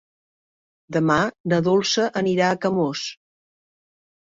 Demà na Dolça anirà a Camós.